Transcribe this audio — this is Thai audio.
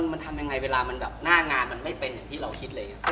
มันทำยังไงเวลามันแบบหน้างานมันไม่เป็นอย่างที่เราคิดเลย